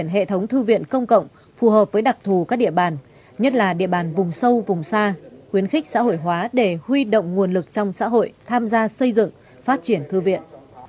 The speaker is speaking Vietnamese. hệ thống thư viện công cộng phù hợp với đặc thù các địa bàn nhất là địa bàn vùng sâu vùng xa khuyến khích xã hội hóa để huy động nguồn lực trong xã hội tham gia xây dựng phát triển thư viện